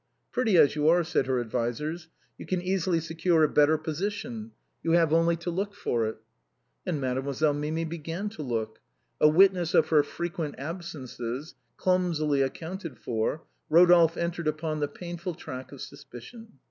" Pretty as you are," said her advisers, " you can easily secure a better position. You have only to look for it." And Mademoiselle Mimi began to look. A witness of her frequent absences, clumsily accounted for, Eodolphe 168 THE BOHEMIANS OF THE LATIN QUARTER. entered upon the painful track of suspicion.